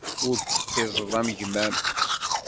Ur teqfizeḍ am gma-m.